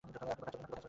আপনি কোথায় চললেন?